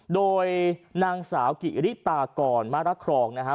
โดยนางสาวกิริตากรมารักรองนะฮะ